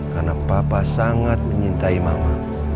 karena papa sangat menyintai mama